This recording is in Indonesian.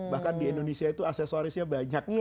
bahkan di indonesia itu aksesorisnya banyak